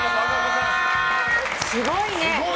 すごいね。